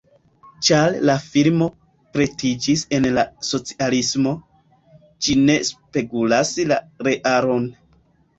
Ĉar la filmo pretiĝis en la socialismo, ĝi ne spegulas la realon.